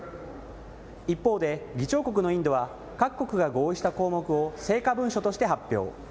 一方で、議長国のインドは各国が合意した項目を成果文書として発表。